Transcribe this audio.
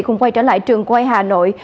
cùng quay trở lại trường quay hà nội